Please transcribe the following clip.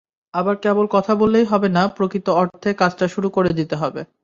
আবার কেবল কথা বললেই হবে না, প্রকৃত অর্থে কাজটা শুরু করে দিতে হবে।